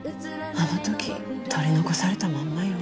あの時取り残されたまんまよ。